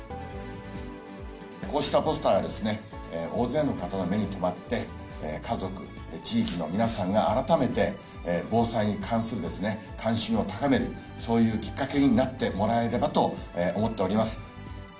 こうしたポスターが大勢の方の目に留まって、家族、地域の皆さんが改めて防災に関する関心を高める、そういうきっかけになってもらえればと思っております。